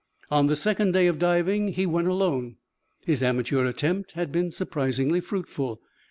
On the second day of diving he went alone. His amateur attempt had been surprisingly fruitful.